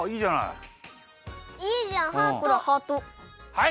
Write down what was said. はい。